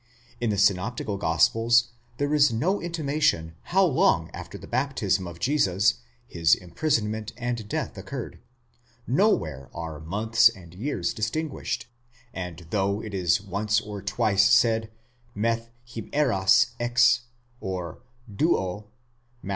In the synoptical gospels there is no intimation how long after the baptism of Jesus his imprisonment and death occurred: nowhere are months and years distinguished ; and though it is once or twice said: μεθ᾽ ἡμέρας ἐξ or δύο (Matt.